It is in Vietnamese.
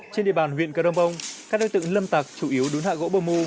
trên địa bàn huyện cờ đông bông các đối tượng lâm tặc chủ yếu đúng hạ gỗ bơ mu